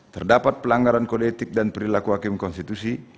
terdapat pelanggaran kodetik dan perilaku hakim konstitusi